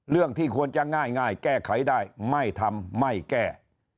ที่ควรจะง่ายแก้ไขได้ไม่ทำไม่แก้